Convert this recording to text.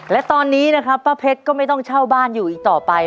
และตอนนี้นะครับป้าเพชรก็ไม่ต้องเช่าบ้านอยู่อีกต่อไป